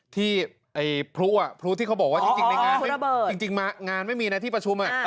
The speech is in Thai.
ที่พรุทธี่เขาบอกว่าจริงงานไม่มีในประชุม